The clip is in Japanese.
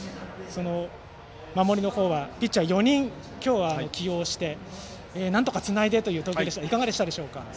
守りの方は、ピッチャー４人を今日は起用してなんとかつないでという投球でしたが、いかがでしょうか。